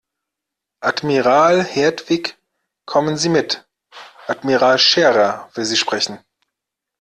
Admiral Hertwig, kommen Sie mit, Admiral Scherer will Sie sprechen.